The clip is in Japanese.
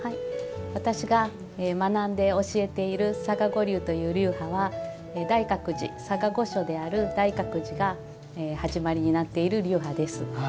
私が学んで教えている嵯峨御流という流派は嵯峨御所である大覚寺が始まりになっている流派です。